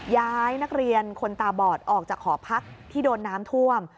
ย้ายนักเรียนคนตาบอดออกจากหอพักที่โดนน้ำท่วม